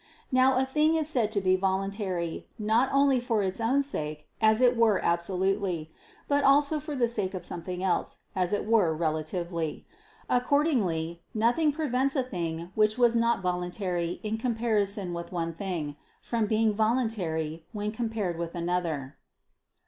Now a thing is said to be voluntary, not only for its own sake, as it were absolutely; but also for the sake of something else, as it were relatively. Accordingly, nothing prevents a thing which was not voluntary in comparison with one thing, from becoming voluntary when compared with another.